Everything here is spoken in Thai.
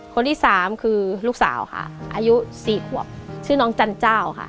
คนที่สามคือลูกสาวค่ะอายุ๔ขวบชื่อน้องจันเจ้าค่ะ